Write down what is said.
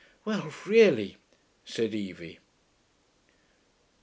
'Well, really!' said Evie.